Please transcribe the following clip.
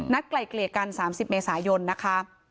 นัดไกลเกลียกันสามสิบเมษายนนะคะ